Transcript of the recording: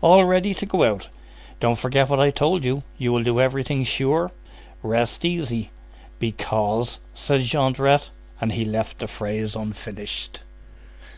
"All ready to go out." "Don't forget what I told you. You will do everything sure?" "Rest easy." "Because—" said Jondrette. And he left the phrase unfinished.